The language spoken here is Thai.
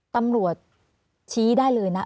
ตำรวจชี้ได้เลยนะ